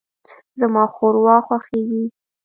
زما ښوروا خوښیږي.